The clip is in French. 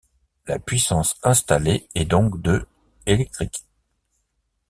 La puissance installée est donc de électrique.